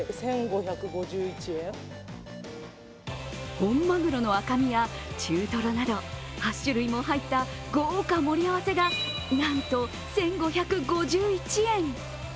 本まぐろの赤身や中とろなど８種類も入った豪華盛り合わせがなんと１５５１円。